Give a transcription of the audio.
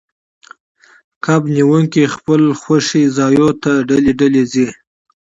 کب نیونکي خپلو خوښې ځایونو ته ډلې ډلې ځي